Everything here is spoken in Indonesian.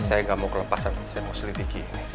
saya gak mau kelepasan saya mau selidiki ini